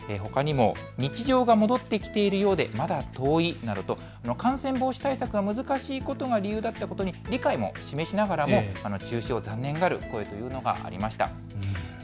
日常が戻ってきているようでまだ遠いなどと、感染防止対策が難しいことが理由だったことに理解を示しながらも中止を残念がる声がありました。